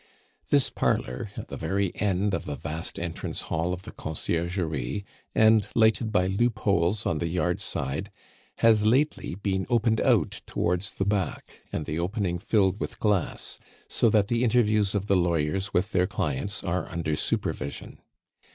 This parlor, at the very end of the vast entrance hall of the Conciergerie, and lighted by loop holes on the yard side, has lately been opened out towards the back, and the opening filled with glass, so that the interviews of the lawyers with their clients are under supervision.